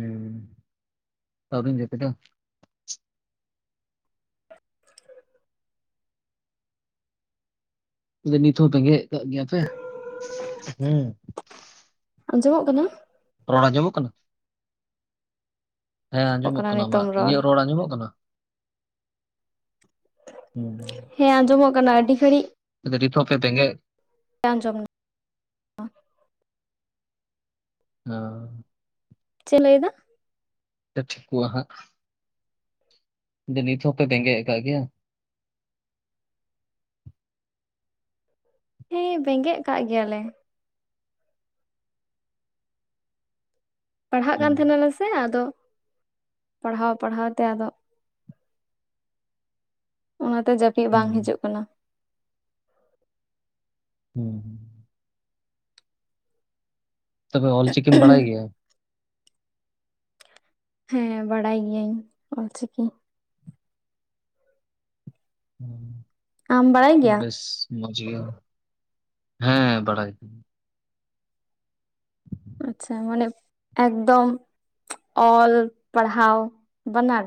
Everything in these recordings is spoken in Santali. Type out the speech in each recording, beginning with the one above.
ᱦᱮᱸ ᱟᱹᱨᱤᱢ ᱡᱟᱯᱤᱫᱟ ᱱᱤᱛ ᱦᱚᱸ ᱵᱮᱜᱮᱫ ᱠᱟᱜ ᱜᱮᱭᱟ ᱯᱮ ᱦᱮᱸ ᱟᱸᱡᱚᱢᱚᱜ ᱠᱟᱱᱟ ᱨᱚᱲ ᱟᱸᱡᱚᱢᱚᱜ ᱠᱟᱱᱟ? ᱦᱮᱸ ᱟᱸᱡᱚᱢᱚᱜ ᱠᱟᱱᱟ ᱢᱟ ᱤᱧᱟᱹᱜ ᱨᱚᱲ ᱟᱸᱡᱚᱢᱚᱜ ᱠᱟᱱᱟ? ᱦᱩᱸ ᱦᱮᱸ ᱟᱸᱡᱚᱢᱚᱜ ᱠᱟᱱᱟ ᱟᱹᱰᱤ ᱜᱷᱟᱹᱲᱤᱡ ᱛᱮ ᱜᱮ ᱟᱡᱚᱢ [inaudible] [unintelligible] ᱪᱮᱫ ᱞᱟᱹᱭᱫᱟ? [unintelligible] ᱴᱷᱤᱠᱚᱜ-ᱟ ᱦᱟᱜ [unintelligible] ᱱᱤᱛ ᱦᱚᱯᱮ ᱵᱮᱠᱮᱫ ᱠᱟᱜ ᱜᱮᱭᱟ? ᱦᱮᱸ ᱵᱮᱸᱜᱮᱫ ᱠᱟᱜ ᱜᱮᱭᱟᱞᱮ ᱯᱟᱲᱦᱟᱜ ᱠᱟᱱ ᱦᱩᱸ ᱛᱟᱦᱮᱱᱟᱞᱮ ᱥᱮ ᱟᱫᱚ ᱯᱟᱲᱦᱟᱣ ᱯᱟᱲᱦᱟᱣ ᱛᱮ ᱟᱫᱚ ᱚᱱᱟᱛᱮ ᱡᱟᱹᱯᱤᱫ ᱵᱟᱝ ᱦᱩᱸ ᱦᱤᱡᱩᱜ ᱠᱟᱱᱟ [unintelligible] ᱛᱚᱵᱮ ᱚᱞ ᱪᱤᱠᱤᱢ ᱵᱟᱲᱟᱭ ᱜᱮᱭᱟ ᱦᱮᱸ ᱵᱟᱲᱟᱭ ᱜᱤᱭᱟᱹᱧ ᱚᱞᱪᱤᱠᱤ ᱟᱢ ᱵᱟᱲᱟᱭ ᱜᱮᱭᱟ? ᱵᱮᱥ ᱢᱚᱡ ᱜᱮᱭᱟ ᱦᱮᱸ ᱵᱟᱲᱟᱭ ᱟᱠᱤᱱ ᱟᱪᱪᱷᱟ ᱢᱟᱱᱮ ᱮᱠᱫᱚᱢ ᱚᱞ ᱯᱟᱲᱦᱟᱣ ᱵᱟᱱᱟᱨ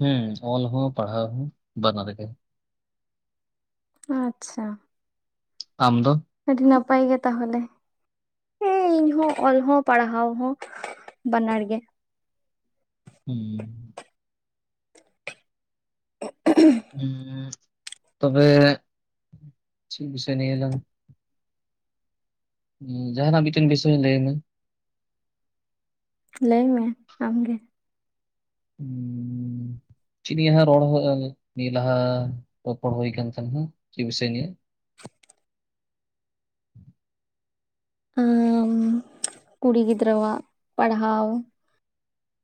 ᱦᱮᱸ ᱚᱞ ᱦᱚᱸ ᱯᱟᱲᱦᱟᱣ ᱦᱚᱸ ᱵᱟᱱᱟᱨ ᱜᱮ ᱟᱪᱪᱷᱟ ᱟᱢ ᱫᱚ ᱟᱹᱰᱤ ᱱᱟᱯᱟᱭ ᱜᱮ ᱛᱟᱦᱚᱞᱮ ᱦᱮᱸ ᱤᱧ ᱦᱚᱸ ᱚᱞ ᱦᱚᱸ ᱯᱟᱲᱦᱟᱣ ᱦᱚᱸ ᱵᱟᱱᱟᱨ ᱜᱮ ᱦᱮᱸ ᱦᱚᱸ ᱛᱚᱵᱮ ᱴᱷᱤᱠ ᱥᱮ [unintelligible] ᱡᱟᱦᱟᱱᱟᱜ ᱢᱤᱫᱴᱮᱱ ᱵᱤᱥᱚᱭ ᱞᱟᱹᱭᱢᱮ ᱞᱟᱹᱭ ᱢᱮ ᱟᱢᱜᱮ ᱦᱩᱸ ᱪᱮᱫ ᱱᱤᱭᱟᱹ ᱨᱚᱲ ᱱᱤᱭᱟᱹ ᱞᱟᱦᱟ ᱨᱚᱯᱚᱲ ᱦᱩᱭ ᱠᱟᱱᱟ ᱛᱟᱢᱟ ᱪᱮᱫ ᱵᱤᱥᱚᱭ ᱱᱤᱭᱟᱹ ᱟᱸ ᱠᱩᱲᱤ ᱜᱤᱫᱽᱨᱟᱹᱣᱟᱜ ᱯᱟᱲᱦᱟᱣ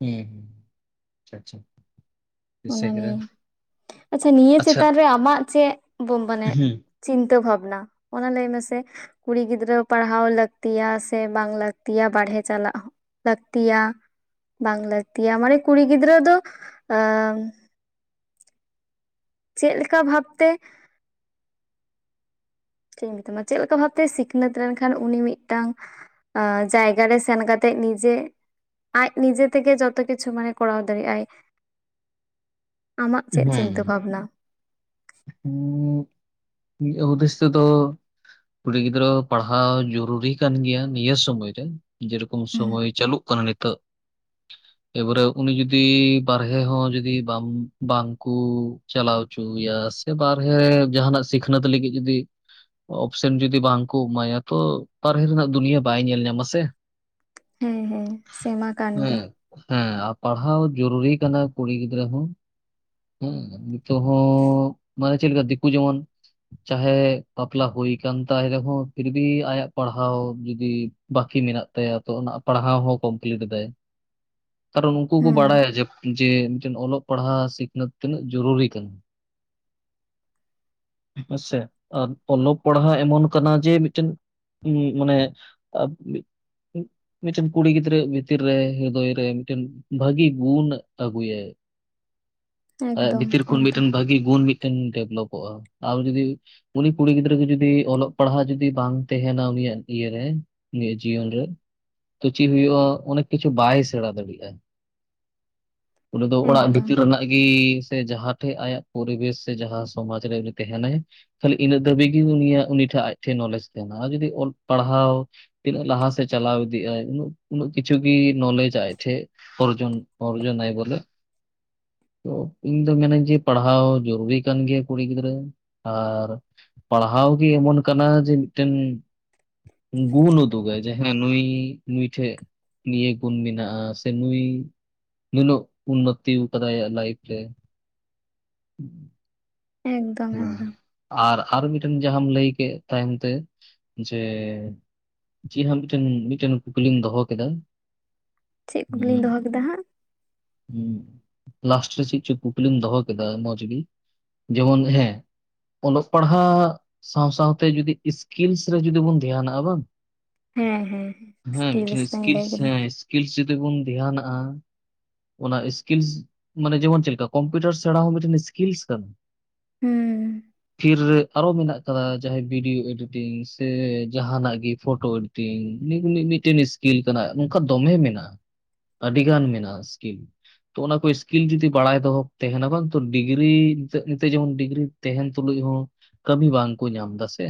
ᱦᱮᱸ ᱦᱮᱸ ᱟᱪᱪᱷᱟ ᱟᱪᱪᱷᱟ ᱫᱤᱥᱟᱹ ᱚᱱᱟ ᱠᱮᱫᱟ ᱱᱤᱭᱮ ᱟᱪᱪᱷᱟ ᱱᱤᱭᱟᱹ ᱟᱪᱪᱷᱟ ᱪᱮᱛᱟᱱ ᱨᱮ ᱟᱢᱟᱜ ᱪᱮᱫ ᱢᱟᱱᱮ ᱦᱩᱸ ᱪᱤᱱᱛᱟᱹ ᱵᱷᱟᱵᱱᱟ ᱚᱱᱟ ᱞᱟᱹᱭ ᱢᱮᱥᱮ ᱠᱩᱲᱤ ᱜᱤᱫᱽᱨᱟᱹ ᱯᱟᱲᱦᱟᱣ ᱞᱟᱹᱠᱛᱤᱭᱟ ᱥᱮ ᱵᱟᱝ ᱞᱟᱹᱠᱛᱤᱭᱟ ᱵᱟᱨᱦᱮ ᱪᱟᱞᱟᱜ ᱪᱟᱞᱟᱜ ᱞᱟᱹᱠᱛᱤᱭᱟ ᱵᱟᱝ ᱞᱟᱹᱠᱛᱤᱭᱟ ᱢᱟᱱᱮ ᱠᱩᱲᱤ ᱜᱤᱫᱽᱨᱟᱹ ᱫᱚ ᱟᱻ [unintelligible] ᱪᱮᱫ ᱞᱮᱠᱟ ᱵᱷᱟᱵᱛᱮ ᱪᱮᱫ ᱤᱧ ᱢᱮᱛᱟᱢᱟ ᱪᱮᱫ ᱞᱮᱠᱟ ᱵᱷᱟᱵᱛᱮ ᱥᱤᱠᱷᱱᱟᱹᱛ ᱞᱮᱱᱠᱷᱟᱱ ᱩᱱᱤ ᱢᱤᱫᱴᱟᱝ ᱡᱟᱭᱜᱟ ᱨᱮ ᱥᱮᱱ ᱠᱟᱛᱮᱜ ᱱᱤᱡᱮ ᱟᱡ ᱱᱤᱡᱮ ᱛᱮᱜᱮ ᱡᱚᱛᱚ ᱠᱤᱪᱷᱩ ᱢᱟᱱᱮ ᱠᱚᱨᱟᱣ ᱫᱟᱲᱮᱭᱟᱜ ᱟᱭ ᱟᱢᱟᱜ ᱪᱮᱫ ᱪᱤᱱᱛᱟᱹ ᱵᱷᱟᱵᱽᱱᱟ ᱦᱩᱸ ᱩᱫᱤᱥ ᱛᱮ ᱛᱚ ᱠᱩᱲᱤ ᱜᱤᱫᱽᱨᱟᱹ ᱯᱟᱲᱦᱟᱣ ᱡᱚᱨᱩᱨᱤ ᱠᱟᱱ ᱜᱮᱭᱟ ᱱᱤᱭᱟᱹ ᱥᱚᱢᱚᱭᱨᱮ ᱡᱮᱨᱚᱠᱚᱢ ᱦᱩᱸ ᱥᱚᱢᱚᱭ ᱪᱟᱹᱞᱩᱜ ᱠᱟᱱᱟ ᱟ ᱱᱤᱛᱚᱜ ᱮᱵᱟᱨᱮ ᱩᱱᱤ ᱡᱩᱫᱤ ᱵᱟᱨᱦᱮ ᱦᱚᱸ ᱡᱩᱫᱤ ᱵᱟᱝ ᱵᱟᱝᱠᱩ ᱪᱟᱞᱟᱣ ᱦᱚᱪᱚᱭᱟ ᱥᱮ ᱵᱟᱦᱨᱮ ᱡᱟᱦᱟᱱᱟᱜ ᱥᱤᱠᱷᱱᱟᱹᱛ ᱞᱟᱹᱜᱤᱫ ᱡᱩᱫᱤ ᱚᱯᱷᱥᱮᱱ ᱡᱩᱫᱤ ᱵᱟᱝᱠᱚ ᱮᱢᱟᱭᱟ ᱛᱚ ᱵᱟᱦᱞᱮ ᱨᱮᱱᱟᱜ ᱫᱩᱱᱤᱭᱟᱹ ᱵᱟᱭ ᱧᱮᱞ ᱧᱟᱢᱟ ᱥᱮ ᱦᱮᱸ ᱦᱮᱸ ᱥᱮᱢᱟ ᱠᱟᱱ ᱜᱮ ᱦᱮᱸ ᱦᱮᱸ ᱟᱨ ᱯᱟᱲᱦᱟᱣ ᱡᱩᱨᱩᱨᱤ ᱠᱟᱱᱟ ᱠᱩᱲᱤ ᱜᱤᱫᱽᱨᱟᱹ ᱦᱚᱸ ᱦᱮᱸ ᱱᱤᱛᱚᱜ ᱦᱚᱸ ᱢᱟᱱᱮ ᱪᱮᱫ ᱞᱮᱠᱟ ᱫᱤᱠᱩ ᱡᱮᱢᱚᱱ ᱪᱟᱦᱮ ᱵᱟᱯᱞᱟ ᱦᱩᱭ ᱟᱠ ᱛᱟᱭ ᱨᱮᱦᱚᱸ ᱯᱷᱤᱨᱵᱤ ᱟᱭᱟᱜ ᱯᱟᱲᱦᱟᱣ ᱡᱩᱚᱫᱤ ᱵᱟᱠᱤ ᱵᱟᱠᱤ ᱢᱮᱱᱟᱜ ᱛᱟᱭᱟ ᱛᱚ ᱚᱱᱟ ᱯᱟᱲᱦᱟᱣ ᱦᱚᱸ ᱠᱚᱢᱯᱞᱤᱴ ᱮᱟᱭ [inaudible] ᱠᱟᱨᱚᱱ ᱩᱱᱠᱩ ᱠᱚ ᱦᱩᱸ ᱵᱟᱲᱟᱭᱟ ᱡᱮᱛ ᱡᱮᱱᱛᱮᱱ ᱚᱞᱚᱜ ᱯᱟᱲᱦᱟᱜ ᱥᱤᱠᱷᱱᱟᱹᱛ ᱛᱤᱱᱟᱹᱜ ᱡᱚᱨᱩᱨᱤ ᱠᱟᱱᱟ [inaudible] ᱦᱮᱸᱥᱮ ᱟᱨ ᱚᱞᱚᱜ ᱯᱟᱲᱦᱟᱜ ᱮᱢᱚᱱ ᱠᱟᱱᱟ ᱡᱮ ᱢᱤᱫᱴᱮᱱ ᱦ ᱢᱟᱱᱮ ᱢᱤᱫᱴᱮᱱ ᱠᱩᱲᱤ ᱜᱤᱫᱽᱨᱟᱹ ᱵᱷᱤᱛᱤᱨ ᱨᱮ ᱦᱨᱫᱚᱭ ᱨᱮ ᱢᱤᱫᱴᱮᱱ ᱵᱷᱟᱹᱜᱤ ᱜᱩᱱ ᱟᱹᱜᱩᱭᱟᱭ [inaudible] ᱮᱠᱫᱚᱢ ᱵᱷᱤᱛᱤᱨ ᱠᱷᱚᱱ ᱮᱠᱫᱚᱢ ᱢᱤᱫᱴᱮᱱ ᱵᱷᱟᱹᱜᱤ ᱢᱤᱫᱴᱮᱱ ᱰᱮᱵᱷᱞᱚᱯᱚᱜᱼᱟ ᱟᱨ ᱡᱩᱫᱤ ᱩᱱᱤ ᱠᱩᱲᱤ ᱜᱤᱫᱽᱨᱟᱹ ᱠᱚ ᱡᱩᱫᱤ ᱚᱞᱚᱜ ᱯᱟᱲᱦᱟᱜ ᱡᱩᱫᱤ ᱵᱟᱝ ᱛᱟᱦᱮᱸᱱᱟ ᱩᱱᱤᱭᱟᱜ ᱤᱭᱟᱨᱮ ᱩᱱᱤᱭᱟᱜ ᱡᱤᱩᱟᱜ ᱨᱮ ᱛᱚ ᱪᱮᱫ ᱦᱩᱭᱩᱜᱼᱟ ᱚᱱᱮᱠ ᱠᱤᱪᱷᱩ ᱵᱟᱭ ᱥᱮᱬᱟ ᱫᱟᱲᱮᱭᱟᱜᱼᱟ [inaudible] ᱩᱱᱤ ᱫᱚ ᱚᱲᱟᱜ ᱮᱠᱫᱚᱢ ᱵᱷᱤᱛᱤᱨ ᱨᱮᱱᱟᱜ ᱜᱮᱤ ᱥᱮ ᱡᱟᱦᱟᱸ ᱴᱷᱮᱡ ᱟᱭᱟᱜ ᱯᱚᱨᱤᱵᱮᱥ ᱥᱮ ᱡᱟᱦᱟᱸ ᱥᱚᱢᱟᱡᱽ ᱨᱮ ᱩᱱᱤ ᱯᱚᱨᱤᱵᱣᱥ ᱥᱮ ᱢᱟᱦᱟᱸ ᱥᱚᱢᱟᱡ ᱨᱮ ᱩᱱᱤ ᱛᱟᱦᱮᱸᱱᱟᱭ ᱠᱷᱟᱞᱤ ᱤᱱᱟ ᱫᱷᱟᱹᱵᱤᱡ ᱜᱮ ᱩᱱᱤᱭᱟᱜ ᱩᱱᱤ ᱴᱷᱮᱱ ᱟᱡ ᱴᱷᱮᱱ ᱱᱚᱞᱮᱡᱽ ᱛᱟᱦᱮᱱᱟ ᱛᱟᱦᱮᱸᱱᱟ ᱡᱩᱫᱤ ᱚᱞ ᱯᱟᱲᱦᱟᱣ ᱛᱤᱱᱟᱹᱜ ᱞᱟᱦᱟ ᱥᱮᱫ ᱪᱟᱞᱟᱣ ᱤᱫᱤᱜᱟᱭ ᱩᱱᱟᱹᱜ ᱩᱱᱟᱹᱜ ᱠᱤᱪᱷᱩ ᱜᱮ ᱱᱚᱞᱮᱡᱟᱭ ᱴᱮ ᱚᱨᱡᱚᱱ ᱚᱨᱡ ᱱᱟᱟᱭ ᱵᱚᱞᱮ [inaudible] ᱛᱚ ᱤᱧ ᱫᱚ ᱢᱮᱱᱟᱮ ᱡᱮ ᱯᱟᱲᱦᱟᱜ ᱯᱟᱲᱦᱟᱣ ᱡᱚᱨᱩᱨᱤ ᱠᱟᱱ ᱜᱮᱭᱟ ᱠᱩᱲᱤ ᱜᱤᱫᱽᱨᱟᱹ ᱟᱨ ᱯᱟᱲᱦᱟᱣ ᱜᱮ ᱮᱢᱚᱱ ᱠᱟᱱᱟ ᱡᱮ ᱢᱤᱫᱴᱮᱱ ᱜᱩᱱ ᱩᱫᱩᱜᱟᱭ ᱡᱟᱦᱟ ᱱᱩᱭ ᱱᱭᱴᱩᱭ ᱢᱴᱷᱮ ᱱᱤᱭᱟᱹᱟᱹᱜᱩᱱ ᱢᱮᱱᱟᱜᱼᱟ ᱥᱮ ᱱᱩᱭ ᱱᱩᱱᱟᱹᱜ ᱩᱱᱱᱚᱛᱤ ᱟᱠᱟᱫᱟᱭ ᱟᱭᱟᱜ ᱞᱟᱭᱤᱯᱷ ᱨᱮ [inaudible] ᱮᱠᱫᱚᱢ ᱮᱠᱫᱚᱢ [unintelligible] ᱟᱨ ᱟᱨ ᱢᱤᱫ ᱡᱟᱦᱟᱸᱢ ᱞᱟᱹᱭ ᱠᱮᱫ ᱛᱟᱭᱚᱢ ᱛᱮ ᱡᱮ ᱪᱮᱫ ᱦᱚᱸ ᱢᱤᱫᱴᱮᱱ ᱢᱤᱫᱴᱮᱱ ᱠᱩᱠᱞᱤᱧ ᱫᱚᱦᱚ ᱠᱮᱫᱟ ᱪᱮᱫ ᱠᱩᱠᱞᱤᱧᱢ ᱫᱚᱦᱚ ᱠᱮᱫᱟ ᱦᱟᱸᱜ ᱦᱮᱸ ᱞᱟᱥᱴ ᱨᱮ ᱪᱮᱫ ᱪᱚ ᱠᱩᱠᱞᱤᱢ ᱫᱚᱦᱚ ᱠᱮᱫᱟ ᱢᱚᱸᱡᱽ ᱜᱮ ᱡᱮᱢᱚᱱ ᱦᱮᱸ ᱚᱞᱚᱜ ᱯᱟᱲᱦᱟᱜ ᱥᱟᱶ ᱥᱟᱶᱛᱮ ᱡᱚᱫᱤ ᱥᱠᱤᱞᱥ ᱨᱮ ᱡᱩᱫᱤ ᱵᱚᱱ ᱫᱷᱮᱱᱟᱜᱼᱟ ᱵᱟᱝ ᱦᱮᱸ ᱦᱮᱸ ᱦᱮᱸ ᱢᱤᱫᱴᱮᱱ ᱞᱤᱧ ᱞᱟᱹᱭ ᱥᱠᱤᱞᱥ ᱠᱮᱫᱟ ᱦᱮᱸ ᱥᱠᱤᱞᱥ ᱡᱩᱫᱤ ᱵᱚᱱ ᱫᱷᱮᱭᱱᱟᱜᱼᱟ ᱚᱱᱟ ᱥᱠᱤᱞᱥ ᱢᱟᱱᱮ ᱡᱮᱢᱚᱱ ᱪᱮᱫᱮᱠᱟ ᱠᱚᱢᱯᱤᱭᱩᱴᱟᱨ ᱥᱮᱬ ᱦᱚᱸ ᱢᱤᱫᱴᱮᱱ ᱥᱠᱤᱞᱥ ᱠᱟᱱᱟ ᱦᱩᱸ ᱛᱤᱨ ᱨᱮ ᱟᱨᱚ ᱢᱮᱱᱟᱜ ᱟᱠᱟᱫᱟ ᱡᱟᱦᱟᱸᱭ ᱵᱷᱤᱰᱭᱳ ᱮᱰᱤᱴᱤᱝ ᱥᱮ ᱡᱟᱦᱟᱱᱟᱜ ᱜᱮ ᱯᱷᱳᱚᱴᱳ ᱮᱰᱤᱴᱤᱝ ᱢᱤᱫᱴᱮᱱ ᱥᱠᱤᱞ ᱠᱟᱱᱟ ᱱᱚᱝᱠᱟ ᱫᱚᱢᱮ ᱢᱮᱱᱟᱜᱼᱟ ᱟᱹᱰᱤᱜᱟᱱ ᱢᱮᱱᱟᱜᱼᱟ ᱥᱠᱤᱤᱞ ᱛᱚ ᱚᱱᱟ ᱠᱚ ᱥᱠᱤᱞ ᱡᱩᱚᱫᱤ ᱵᱟᱲᱟᱭ ᱫᱚᱦᱚ ᱛᱟᱦᱮᱸᱱᱟ ᱵᱟᱝ ᱛᱚ ᱰᱤᱜᱽᱨᱤ ᱛᱮ ᱡᱮᱢᱚᱱ ᱰᱤᱜᱽᱨᱤ ᱛᱟᱦᱮᱱ ᱛᱩᱞᱩᱡ ᱦᱚᱸ ᱠᱟᱹᱢᱤ ᱵᱟᱝ ᱠᱚ ᱧᱟᱢ ᱫᱟᱥᱮ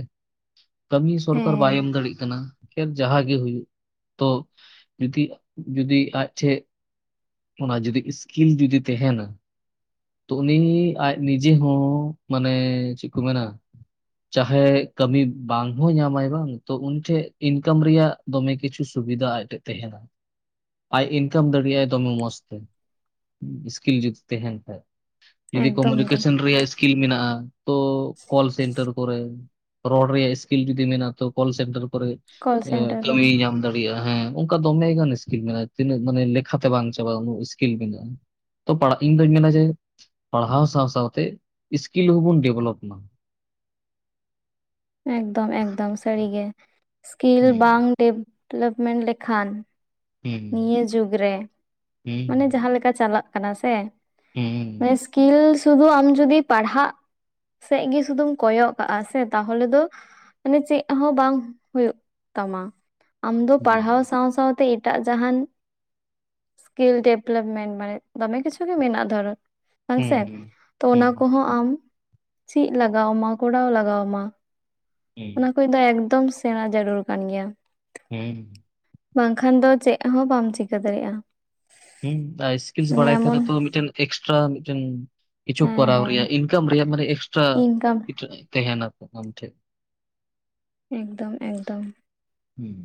ᱠᱟᱹᱢᱤ ᱥᱚᱨᱠᱟᱨ ᱵᱟᱭ ᱦᱮᱸ ᱮᱢ ᱫᱟᱲᱤᱮᱜ ᱠᱟᱱᱟ ᱡᱟᱦᱟᱸᱜ ᱜᱮ ᱦᱩᱭᱩᱜ ᱛᱚ ᱡᱩᱫᱤ ᱡᱩᱫᱤ ᱟᱡᱪᱷᱮ ᱚᱱᱟ ᱡᱩᱫᱤ ᱥᱠᱤᱞ ᱡᱩᱫᱤ ᱛᱟᱦᱮᱱᱟ ᱛᱚ ᱩᱱᱤ ᱟᱡ ᱱᱤᱡᱮ ᱦᱚᱸ ᱢᱟᱱᱮ ᱪᱮᱫ ᱠᱚ ᱢᱮᱱᱟ ᱪᱟᱦᱮ ᱠᱟᱹᱢᱤ ᱵᱟᱝ ᱦᱚᱸ ᱧᱟᱢᱟᱭ ᱵᱟᱝ ᱛᱚ ᱩᱱ ᱴᱷᱮᱡ ᱤᱱᱠᱟᱢ ᱨᱮᱭᱟᱜ ᱫᱚᱢᱮ ᱠᱤᱪᱷᱩᱩ ᱥᱩᱵᱤᱫᱷᱟ ᱟᱡᱴᱮᱱ ᱛᱟᱦᱮᱱᱟ ᱟᱡ ᱤᱱᱠᱟᱢ ᱫᱟᱲᱮᱭᱟᱜ ᱟᱭ ᱫᱚᱢᱮ ᱢᱚᱡ ᱢᱚᱡᱽ ᱛᱮ ᱥᱠᱤᱞ ᱡᱩᱫᱤ ᱛᱟᱦᱮᱱ ᱠᱷᱟᱡ ᱡᱩᱫᱤ ᱮᱠᱫᱚᱢ ᱜᱮ ᱠᱚᱢᱩᱱᱤᱠᱮᱥᱚᱱ ᱨᱮᱭᱟᱜ ᱥᱠᱤᱞ ᱢᱮᱱᱟᱜᱼᱟ ᱛᱚ ᱠᱚᱞ ᱥᱮᱱᱴᱟᱨ ᱨᱚᱲ ᱨᱮᱭᱟᱜ ᱥᱠᱤᱞ ᱡᱩᱫᱤ ᱢᱮᱱᱟᱜ ᱛᱚ ᱠᱚᱞ ᱥᱮᱱᱴᱟᱨ ᱠᱚᱞ ᱥᱮᱱᱴᱟᱨ ᱠᱟᱹᱢᱤ ᱠᱚᱨᱮ ᱧᱟᱢ ᱫᱟᱲᱮᱭᱟᱜᱼᱟ ᱦᱮᱸ ᱚᱱᱠᱟ ᱫᱚᱢᱮ ᱜᱟᱱ ᱤᱥᱠᱤᱞ ᱢᱮᱱᱟᱜᱼᱟ ᱛᱤᱱᱟᱹᱜ ᱢᱟᱱᱮᱼᱼ [unintelligible] ᱵᱟᱝ ᱪᱟᱵᱟᱜ ᱩᱱᱟᱹᱜ ᱤᱥᱠᱤᱞ ᱢᱮᱱᱟᱜᱼᱟ᱾ [unintelligible] ᱤᱧ ᱫᱩᱧ ᱢᱮᱱᱟ ᱡᱮ ᱯᱟᱲᱦᱟᱣ ᱥᱟᱶ ᱥᱟᱶᱛᱮ ᱤᱥᱠᱤᱞ ᱦᱚᱵᱚᱱ ᱰᱮᱵᱷᱞᱚᱯ ᱢᱟ᱾ [inaudible] ᱮᱠᱫᱚᱢ ᱮᱠᱫᱚᱢ ᱥᱟᱹᱨᱤᱜᱮ ᱥᱠᱤᱞ ᱦᱩᱸ ᱵᱟᱝᱼᱼ ᱰᱮᱞᱚᱯᱢᱮᱱᱴ ᱞᱮᱠᱷᱟᱱ ᱦᱩᱸ ᱱᱤᱭᱟᱹ ᱡᱩᱜᱽ ᱨᱮ ᱦᱩᱸ ᱢᱟᱱᱮ ᱡᱟᱦᱟᱸ ᱞᱮᱠᱟ ᱪᱟᱞᱟᱜ ᱠᱟᱱᱟ ᱥᱮ ᱦᱩᱸ ᱢᱟᱱᱮ ᱥᱠᱤᱞ ᱥᱩᱫᱷᱩ ᱟᱢ ᱡᱩᱫᱤ ᱯᱟᱲᱦᱟᱜ ᱥᱮᱫ ᱜᱮ ᱥᱩᱫᱷᱩᱢ ᱠᱚᱭᱚᱜ ᱠᱟᱜᱼᱟ ᱥᱮ ᱛᱟᱦᱚᱞᱮ ᱫᱚ, ᱢᱟᱱᱮ ᱪᱮᱫ ᱦᱚᱸ ᱵᱟᱝ ᱦᱩᱭᱩᱜ ᱛᱟᱢᱟ᱾ ᱟᱢ ᱫᱚ ᱯᱟᱲᱦᱟᱣ ᱥᱟᱶ ᱥᱟᱶ ᱥᱟᱶᱛᱮ ᱮᱴᱟᱜ ᱡᱟᱦᱟᱱ, ᱥᱠᱤᱞ ᱰᱮᱵᱷᱞᱚᱯᱢᱮᱱᱴ ᱢᱟᱱᱮ ᱫᱚᱢᱮ ᱠᱤᱪᱷᱩ ᱜᱮ ᱢᱮᱱᱟᱜᱼᱟ ᱫᱷᱚᱨᱚ ᱵᱟᱝᱥᱮ ᱦᱩᱸ ᱛᱚ ᱦᱩᱸ ᱚᱱᱟ ᱦᱩᱸ ᱠᱚᱦᱚᱸ ᱟᱢ ᱪᱮᱫ ᱞᱟᱜᱟᱣ ᱟᱢᱟ ᱠᱚᱨᱟᱣ ᱞᱟᱜᱟᱣ ᱟᱢᱟ᱾ ᱦᱩᱸ ᱚᱱᱟ ᱠᱚᱫᱚ ᱮᱠᱫᱚᱢ ᱥᱮᱬᱟ ᱡᱟᱹᱨᱩᱲ ᱠᱟᱱ ᱜᱮᱭᱟ᱾ ᱦᱮ ᱵᱟᱝᱠᱷᱟᱱ ᱫᱚ ᱪᱮᱫ ᱦᱚᱸ ᱵᱟᱢ ᱪᱤᱠᱟᱹ ᱫᱟᱲᱮᱭᱟᱜᱼᱟ᱾ ᱦᱩᱸ ᱟᱨ ᱥᱠᱤᱞᱥ ᱢᱟᱱᱮ ᱵᱟᱲᱟᱭ ᱠᱷᱟᱱ ᱮᱢᱚᱱ ᱛᱚ ᱢᱤᱫᱴᱮᱱ ᱮᱠᱥᱴᱨᱟ ᱢᱤᱫᱴᱮᱱ᱾ ᱠᱤᱪᱷᱩ ᱦᱮᱸ ᱠᱚᱨᱟᱣ ᱦᱮᱸ ᱨᱮᱭᱟᱜ ᱤᱱᱠᱟᱢ ᱨᱮᱭᱟᱜ ᱢᱟᱱᱮ ᱮᱠᱥᱴᱨᱟ ᱤᱱᱠᱟᱢ ᱠᱤᱪᱷᱩ ᱛᱟᱦᱮᱱᱟ᱾ ᱟᱢ ᱴᱷᱮᱡ ᱮᱠᱫᱚᱢ ᱮᱠᱫᱚᱢ᱾ ᱦᱮᱸ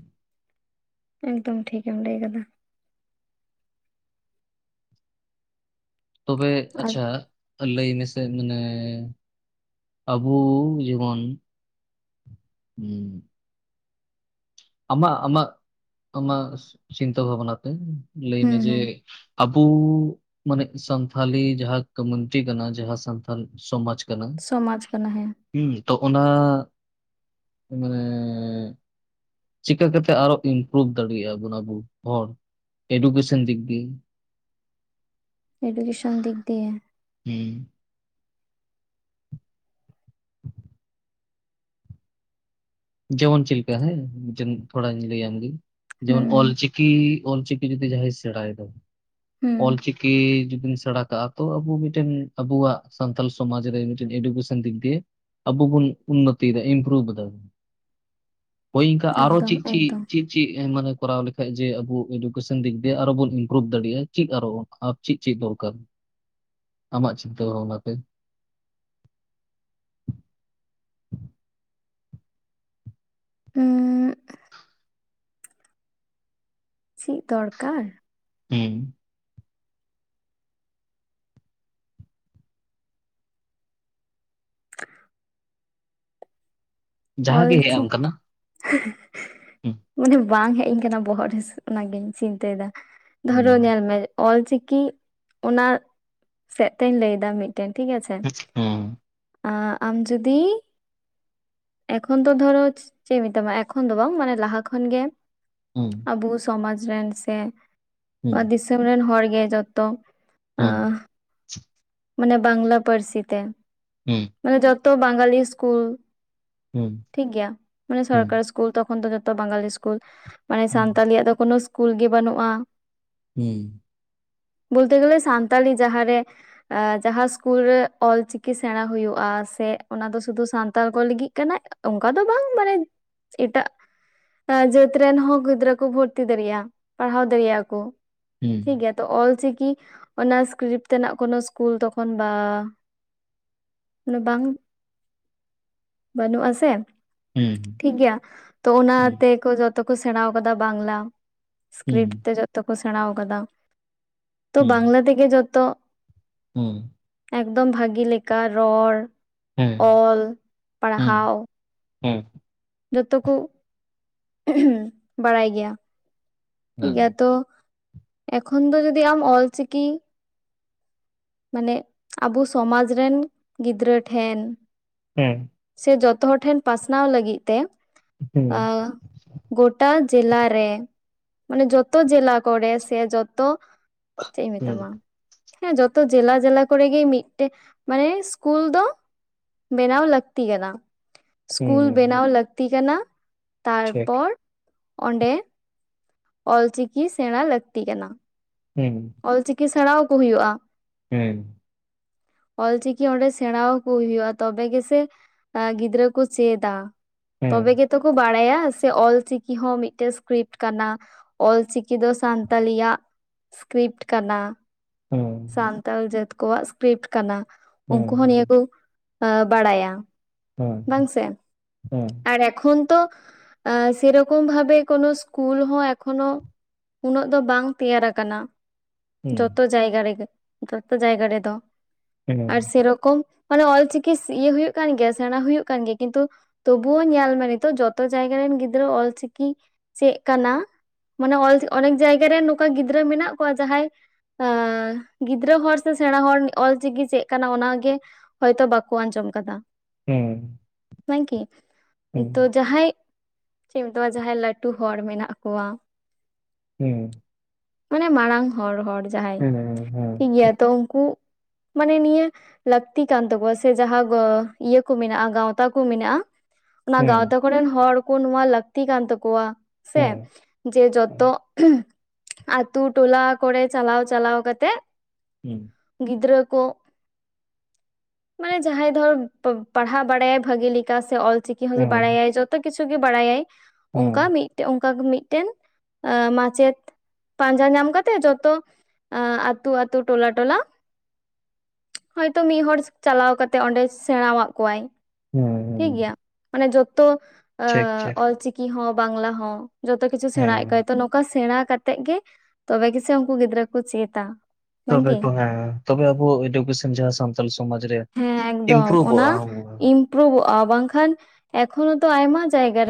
ᱮᱠᱫᱚᱢ ᱴᱷᱤᱠᱮᱢ ᱞᱟᱹᱭ ᱠᱟᱫᱟ᱾ ᱛᱚᱵᱮ ᱟᱨ ᱟᱪᱪᱷᱟ? ᱞᱟᱹᱭ ᱢᱮᱥᱮ ᱢᱟᱱᱮ ᱟᱵᱚ ᱡᱮᱢᱚᱱ ᱦᱮᱸ ᱟᱢᱟ ᱟᱢᱟᱜ ᱟᱢᱟᱜ ᱪᱤᱱᱛᱟᱹ ᱵᱷᱟᱵᱱᱟ ᱛᱮ ᱞᱟᱹᱭ ᱢᱮ ᱦᱩᱸ ᱡᱮ ᱦᱩᱸ ᱟᱵᱚ ᱢᱟᱱᱮ ᱥᱟᱱᱛᱷᱟᱞᱤ ᱡᱟᱦᱟᱸ ᱠᱚᱢᱩᱱᱤᱴᱤ ᱠᱟᱱᱟ ᱡᱟᱦᱟᱸ ᱥᱟᱱᱛᱟᱞ ᱥᱚᱢᱟᱡᱽ ᱠᱟᱱᱟ ᱥᱚᱢᱟᱡᱽ ᱠᱟᱱᱟ ᱦᱮ᱾ ᱦᱩᱸ ᱛᱚ ᱚᱱᱟ ᱢᱟᱱᱮ ᱪᱤᱠᱟᱹ ᱠᱟᱛᱮᱫ ᱟᱨᱚ ᱤᱢᱯᱨᱩᱵᱷ ᱫᱟᱲᱮᱭᱟᱜᱼᱟ ᱵᱚᱱ ᱟᱵᱚ ᱦᱚᱲ? ᱮᱰᱩᱠᱮᱥᱚᱱ ᱫᱮᱠ ᱫᱤᱭᱟᱹ ᱮᱰᱩᱠᱮᱥᱚᱱ ᱫᱤᱠ ᱫᱤᱭᱮ ᱦᱮᱸ [inaudible] ᱡᱮᱢᱚᱱ ᱪᱮᱫ ᱞᱮᱠᱟ ᱦᱮᱸ ᱦᱩᱸ [unintelligible] ᱦᱩᱸ ᱚᱞᱪᱤᱠᱤ ᱡᱩᱫᱤ ᱡᱟᱦᱟᱸᱭ ᱥᱮᱬᱟᱭᱮᱫᱟ ᱦᱩᱸ ᱚᱞᱪᱤᱠᱤ ᱡᱩᱫᱤᱢ ᱥᱮᱬᱟ ᱠᱟᱜᱼᱟ ᱛᱚ ᱟᱵᱚ ᱢᱤᱫᱴᱮᱱ ᱟᱵᱚᱣᱟᱜ ᱥᱟᱱᱛᱟᱞ ᱥᱚᱢᱟᱡᱽ ᱨᱮ ᱢᱤᱫᱴᱮᱱ [unintelligible] ᱫᱤᱠ ᱫᱤᱭᱮ ᱟᱵᱚ ᱵᱚᱱ ᱩᱱᱱᱚᱛᱤᱭᱮᱫᱟ ᱤᱯᱨᱩᱵᱷ ᱮᱫᱟ᱾ ᱦᱳᱭ ᱤᱱᱠᱟ ᱟᱨᱚ ᱮᱠᱫᱚᱢ ᱪᱮᱫ ᱪᱮᱫ ᱮᱠᱫᱚᱢ ᱪᱮᱫ ᱪᱮᱫ ᱢᱟᱱᱮᱼᱼ ᱠᱚᱨᱟᱣ ᱞᱮᱠᱷᱟᱡ ᱡᱮ ᱟᱵᱚ ᱮᱰᱩᱠᱮᱥᱚᱱ ᱫᱤᱠ ᱫᱤᱭᱮ ᱟᱨᱚ ᱵᱚᱱ ᱤᱢᱯᱨᱩᱵᱷ ᱫᱟᱲᱮᱭᱟᱜᱼᱟ ᱪᱮᱫ ᱟᱨᱚ ᱪᱮᱫ ᱪᱮᱫ ᱫᱚᱨᱠᱟᱨ ᱟᱢᱟᱜ ᱪᱤᱱᱛᱟᱹ ᱵᱷᱟᱵᱽᱱᱟᱛᱮ᱾ [inaudible] ᱦᱮᱸ ᱪᱮᱫ ᱫᱚᱨᱠᱟᱨ? ᱦᱮᱸ ᱡᱟᱦᱟᱸᱜᱮ ᱚᱞᱪᱤᱠᱤ [unintelligible] ᱢᱟᱱᱮ ᱵᱟᱝ ᱦᱮᱡᱤᱧ ᱠᱟᱱᱟ ᱵᱚᱦᱚᱜ ᱨᱮ ᱚᱱᱟᱜᱤᱧ ᱪᱤᱱᱛᱟᱹᱭᱮᱫᱟ᱾ ᱫᱷᱚᱨᱚ ᱦᱩᱸ ᱧᱮᱞ ᱢᱮ ᱚᱞᱪᱤᱠᱤ ᱚᱱᱟ ᱥᱮᱫ ᱛᱮᱧ ᱞᱟᱹᱭ ᱮᱫᱟ ᱢᱤᱫᱼᱼ ᱴᱷᱤᱠ ᱜᱟᱪᱷᱮ ᱦᱩᱸ ᱟᱢ ᱡᱩᱫᱤ ᱮᱠᱷᱚᱱ ᱛᱚ ᱫᱷᱚᱨᱚ ᱪᱮᱫ ᱢᱮᱛᱟᱢᱟ ᱮᱠᱷᱚᱱ ᱫᱚ ᱵᱟᱝ ᱢᱟᱱᱮ ᱞᱟᱦᱟ ᱠᱷᱚᱱᱜᱮ ᱦᱩᱸ ᱟᱵᱚ ᱥᱚᱢᱟᱡ ᱨᱮᱱ ᱥᱮ ᱱᱚᱣᱟ ᱫᱤᱥᱚᱢ ᱨᱮᱱ ᱦᱚᱲ ᱜᱮ ᱡᱚᱛᱚ ᱦᱮᱸ ᱟᱸ ᱢᱟᱱᱮ ᱵᱟᱝᱞᱟ ᱯᱟᱹᱨᱥᱤ ᱛᱮ ᱢᱟᱱᱮ ᱡᱚᱛᱚ ᱵᱟᱝᱜᱟᱞᱤ ᱥᱠᱩᱞ ᱴᱷᱤᱠ ᱜᱮᱭᱟ ᱢᱟᱱᱮ ᱥᱚᱨᱠᱟᱨᱤ ᱥᱠᱩᱞ ᱛᱚᱠᱷᱚᱱ ᱫᱚ ᱡᱚᱛᱚ ᱵᱟᱝᱜᱟᱞᱤ ᱥᱠᱩᱞ ᱢᱟᱱᱮ ᱥᱟᱱᱛᱟᱞᱤᱭᱟᱜ ᱫᱚ ᱠᱳᱱᱳ ᱥᱠᱩᱞ ᱜᱮ ᱵᱟᱹᱱᱩᱜᱼᱟ ᱦᱩᱸ ᱵᱚᱞᱛᱮ ᱜᱮᱞᱮ ᱥᱟᱱᱛᱟᱞᱤ ᱡᱟᱦᱟᱸ ᱨᱮ ᱡᱟᱦᱟᱸ ᱥᱠᱩᱞ ᱨᱮ ᱚᱞᱪᱤᱠᱤ ᱥᱮᱲᱟ ᱦᱳᱭᱳᱜᱼᱟ ᱥᱮ ᱚᱱᱟ ᱫᱚ ᱥᱩᱫᱷᱩ ᱥᱟᱱᱛᱟᱲ ᱠᱚ ᱞᱟᱹᱜᱤᱫ ᱠᱟᱱᱟ ᱚᱱᱠᱟ ᱫᱚ ᱵᱟᱝ ᱢᱟᱱᱮ ᱮᱴᱟᱜ ᱡᱟᱹᱛ ᱨᱮᱱ ᱦᱚᱸ ᱜᱤᱫᱽᱨᱟᱹ ᱠᱚ ᱵᱷᱚᱨᱛᱤ ᱫᱟᱲᱮᱭᱟᱜᱼᱟ ᱯᱟᱲᱦᱟᱣ ᱫᱟᱲᱮᱭᱟᱜᱼᱟ ᱠᱚ ᱴᱷᱤᱠ ᱜᱮᱭᱟ ᱛᱚ ᱚᱞᱪᱤᱠᱤ ᱚᱱᱟ ᱥᱠᱨᱤᱯᱴ ᱨᱮᱱᱟᱜ ᱠᱳᱱᱳ ᱠᱩᱞ ᱛᱚᱠᱷᱚᱱ ᱵᱟ ᱢᱮ ᱵᱟᱳ [unintelligible] ᱵᱟᱹᱱᱩᱜᱼ ᱟ ᱥᱮ ᱴᱷᱤᱠ ᱜᱮᱭᱟ ᱛᱚ ᱚᱱᱟ ᱛᱮᱠᱚ ᱡᱚᱛᱚ ᱠᱚ ᱥᱮᱲᱟᱣ ᱟᱠᱟᱫᱟ ᱵᱟᱝᱞᱟ ᱥᱠᱨᱤᱯᱴ ᱛᱮ ᱡᱚᱛᱚ ᱠᱚ ᱥᱮᱲᱟ ᱠᱟᱫᱟ ᱛᱚ ᱵᱟᱝᱞᱟ ᱛᱮᱜᱮ ᱡᱚᱛᱚ ᱦᱳᱭ ᱮᱠᱫᱚᱢ ᱵᱷᱟᱜᱤ ᱞᱮᱠᱟ ᱨᱚᱲ ᱚᱞ ᱯᱟᱲᱦᱟᱣ ᱦᱮᱸ ᱡᱚᱛᱚ ᱠᱩ ᱵᱟᱲᱟᱭ ᱜᱮᱭᱟ ᱴᱷᱤᱠ ᱜᱮᱭᱟ ᱛᱚ ᱮᱠᱷᱚᱱ ᱫᱚ ᱡᱩᱫᱤ ᱟᱢ ᱚᱞᱪᱤᱠᱤ ᱢᱟᱱᱮ ᱟᱵᱩ ᱥᱚᱢᱟᱡᱽ ᱨᱮᱱ ᱜᱤᱫᱽᱨᱟᱹ ᱴᱷᱮᱱ ᱦᱮᱸ ᱥᱮ ᱡᱚᱛᱚ ᱦᱚᱲ ᱴᱷᱮᱱ ᱯᱟᱥᱱᱟᱣ ᱞᱟᱹᱜᱤᱫ ᱛᱮ ᱟ ᱜᱚᱴᱟ ᱡᱞᱟ ᱨᱮ ᱢᱟᱱᱮ ᱡᱚᱛᱚ ᱡᱮᱞᱟ ᱠᱚᱨᱮ ᱥᱮ ᱡᱚᱛᱚ ᱪᱮᱫ ᱤᱧ ᱢᱮᱛᱟᱢᱟ ᱦᱮᱸ ᱡᱚᱛᱚ ᱛᱚ ᱡᱮᱞᱟ ᱡᱮᱞᱟ ᱠᱚᱨᱮᱜᱮ ᱢᱤᱫᱴᱮᱱ ᱢᱟᱱᱮ ᱥᱠᱩᱞ ᱫᱚ ᱵᱮᱱᱟᱣ ᱞᱟᱹᱠᱛᱤ ᱠᱟᱱᱟ ᱥᱠᱩᱞ ᱵᱮᱱᱟᱣ ᱞᱟᱹᱠᱛᱤ ᱠᱟᱱᱟ ᱛᱟᱨᱯᱚᱨ ᱚᱸᱰᱮ ᱚᱞᱪᱤᱠᱤ ᱥᱮᱲᱟ ᱞᱟᱹᱠᱛᱤ ᱠᱟᱱᱟ ᱦᱮᱸ ᱥᱮᱲᱟᱣ ᱠᱩ ᱦᱩᱭᱩᱜᱼᱟ ᱦᱮᱸ [unintelligible] ᱚᱞᱪᱤᱠᱤ ᱚᱸᱰᱮ ᱥᱮᱲᱟᱣ ᱠᱩ ᱦᱩᱭᱩᱜᱼᱟ ᱛᱚᱵᱮ ᱜᱮᱥᱮ ᱜᱤᱫᱽᱨᱟᱹ ᱠᱚ ᱪᱮᱫᱟ ᱛᱚᱵᱮ ᱜᱮᱛᱚ ᱠᱚ ᱵᱟᱲᱟᱭᱟ ᱪᱮᱫᱟᱜ [inaudible] ᱥᱮ ᱚᱞᱪᱤᱠᱤ ᱦᱚᱸ ᱢᱤᱫᱴᱮ ᱥᱠᱨᱤᱯᱴ ᱠᱟᱱᱟ ᱚᱞᱪᱤᱠᱤ ᱫᱚ ᱥᱟᱱᱛᱟᱞᱤᱭᱟᱜ ᱥᱠᱨᱤᱯᱴ ᱠᱟᱱᱟ ᱥᱟᱱᱛᱟᱞ ᱡᱟᱹᱛ ᱠᱚᱣᱟᱜ ᱥᱠᱨᱤᱯᱴ ᱠᱟᱱᱟ ᱩᱱᱠᱩ ᱦᱚᱸ ᱱᱤᱭᱟᱹ ᱠᱚ ᱟ ᱵᱟᱲᱟᱭᱟ ᱵᱟᱝᱥ ᱟᱨ ᱮᱠᱷᱚᱱ ᱛᱚ ᱟ ᱥᱮᱨᱚᱠᱚᱢ ᱵᱷᱟᱵᱮ ᱠᱚᱱᱳ ᱥᱠᱩᱞ ᱦᱚᱸ ᱮᱠᱷᱚᱱᱳ ᱩᱱᱟᱹᱜ ᱫᱚ ᱵᱟᱝ ᱛᱮᱭᱟᱨᱟ ᱟᱠᱟᱱᱟ ᱡᱚᱛᱚ ᱡᱟᱭᱜᱟ ᱨᱮᱜᱮ ᱡᱚᱛᱚ ᱡᱟᱭᱜᱟ ᱨᱮᱫᱚ ᱟᱨ ᱥᱮᱨᱚᱠᱚᱢ ᱢᱟᱱᱮ ᱚᱞᱪᱤᱠᱤ ᱤᱭᱟᱹ ᱦᱩᱭᱩᱜ ᱠᱟᱱ ᱜᱮᱭᱟ ᱥᱮᱲᱟ ᱦᱩᱭᱩᱜ ᱠᱟᱱ ᱜᱮᱭᱟ ᱠᱤᱱᱛᱩ ᱛᱚᱵᱩ ᱧᱮᱞ ᱢᱮ ᱱᱤᱛᱚᱜ ᱡᱚᱛᱚ ᱡᱟᱭᱜᱟ ᱨᱮᱱ ᱜᱤᱫᱽᱨᱟᱹ ᱚᱞ ᱪᱤᱠᱤ ᱪᱮ ᱠᱟᱱᱟ ᱢᱟᱱᱮ ᱚᱞ ᱚᱱᱮᱠ ᱡᱟᱭᱜᱟᱮ ᱨᱮ ᱱᱚᱝᱠᱟ ᱜᱤᱫᱽᱨᱟᱹ ᱢᱮᱱᱟᱜ ᱠᱚᱣᱟ ᱡᱟᱦᱟᱸᱟᱭ ᱟ ᱜᱤᱫᱽᱨᱟᱹ ᱦᱚᱲ ᱥᱮ ᱥᱮᱰᱟ ᱦᱚᱲ ᱚᱞᱪᱤᱠᱤ ᱪᱮᱫ ᱠᱟᱱᱟ ᱚᱱᱟᱜᱮ ᱦᱚᱭᱛᱚ ᱵᱟᱠᱚ ᱟᱸᱡᱚᱢ ᱮᱢ ᱟᱠᱟᱫᱟ [unintelligible] ᱦᱮᱸ [unintelligible] [unintelligible] ᱱᱤ ᱛᱚ ᱡᱟᱦᱟᱸᱭ ᱪᱮᱫ ᱢᱮᱛᱟᱢᱟ [unintelligible] ᱡᱟᱦᱟᱸᱟᱭ ᱞᱟᱹᱴᱩ ᱦᱚᱲ ᱢᱮᱱᱟᱜ ᱠᱚᱣᱟ ᱦᱮᱸ ᱢᱟᱱᱮ ᱢᱟᱨᱟᱝ ᱦᱚᱲ ᱦᱚᱲ ᱡᱟᱦᱟᱸᱭ ᱴᱷᱤᱠᱜᱮᱭᱟ ᱛᱚ ᱩᱱᱠᱩ ᱢᱟᱱᱮ ᱱᱤᱭᱟᱹ ᱞᱟᱹᱠᱛᱤ ᱠᱟᱱ ᱛᱟᱠᱚᱣᱟ ᱥᱮ ᱡᱟᱦᱟᱸ [unintelligible] ᱤᱭᱟᱹ ᱠᱚ ᱢᱮᱱᱟᱜᱼᱟ ᱜᱟᱶᱛᱟ ᱠᱩ ᱢᱮᱱᱟᱜᱼᱟ ᱚᱱᱟ ᱜᱟᱶᱛᱟ ᱠᱚᱨᱮᱱ ᱦᱚᱲ ᱚ ᱱᱚᱶᱟ ᱞᱟᱹᱠᱛᱤ ᱠᱟᱱ ᱛᱟᱠᱚᱣᱟ ᱥᱮ ᱡᱮ ᱡᱚᱛᱚ ᱟᱛᱳ ᱴᱚᱞᱟ ᱠᱚᱨᱮ ᱪᱟᱞᱟᱣ ᱪᱟᱞᱟᱣ ᱠᱟᱛᱮᱜ ᱜᱤᱫᱽᱨᱟᱹ ᱢᱟᱱᱮ ᱡᱟᱦᱟᱸᱭ ᱫᱷᱚᱨ ᱯᱟᱲᱦᱟᱣ ᱵᱟᱲᱟᱭᱟᱭ ᱵᱷᱟᱜᱤ ᱞᱮᱠᱟ ᱥᱮ ᱚᱞ ᱪᱤᱠᱤ ᱦᱚᱸ ᱵᱟᱲᱟᱭᱟᱭ ᱡᱚᱛᱚ ᱠᱤᱪᱷᱩ ᱜᱮ ᱵᱟᱲᱟᱭᱟᱭ ᱚᱱᱠᱟ ᱢᱤᱫᱴᱮᱱ ᱚᱱᱠᱟ ᱜᱮ ᱢᱤᱫᱴᱮᱱ ᱢᱟᱪᱮᱫ ᱯᱟᱸᱡᱟ ᱧᱟᱢ ᱠᱟᱛᱮᱜ ᱡᱚᱛᱚ ᱟᱹᱛᱩ ᱟᱹᱛᱩ ᱴᱚᱞᱟ ᱴᱚᱞᱟ ᱦᱳᱭᱛᱳ ᱢᱤᱫ ᱦᱚᱲ ᱪᱟᱞᱟᱣ ᱠᱟᱛᱮ ᱚᱸᱰᱮ ᱥᱮᱬᱟ ᱟᱜ ᱠᱚᱣᱟᱭ ᱴᱷᱤᱠ ᱜᱮᱭᱟ ᱢᱟᱱᱮ ᱡᱚᱛᱚ ᱚᱞ ᱪᱤᱠᱤ ᱦᱚᱸ ᱵᱟᱝᱞᱟ ᱦᱚᱸ ᱡᱚᱛᱚ ᱠᱤᱪᱷᱩ ᱥᱮᱬᱟᱭᱮᱫ ᱠᱚᱣᱟ ᱛᱚ ᱱᱚᱝᱠᱟ ᱥᱮᱬᱟ ᱠᱟᱛᱮ [unintelligible] ᱜᱮ ᱛᱚᱵᱮ ᱜᱮᱥᱮ ᱩᱱᱠᱩ ᱜᱤᱫᱽᱨᱟᱹ ᱠᱚ ᱪᱮᱫᱟ ᱛᱚᱵᱮ ᱵᱟᱝᱜᱮ ᱠᱚ ᱦᱮᱸ ᱛᱚᱵᱮ ᱟᱵᱚ ᱮᱰᱩᱠᱮᱥᱚᱱ ᱡᱟᱦᱟᱸ ᱥᱟᱱᱛᱟᱞ ᱥᱚᱢᱟᱡ ᱨᱮ ᱦᱮᱸ ᱮᱠᱫᱚᱢ ᱤᱢᱯᱨᱩᱵᱷ ᱚᱱᱟ ᱤᱱᱯᱨᱩᱵᱷᱚᱜᱼᱟ ᱵᱟᱝᱠᱷᱟᱱ ᱮᱠᱷᱚᱱᱚ ᱟᱭᱢᱟ ᱡᱟᱭᱜᱟ ᱨᱮ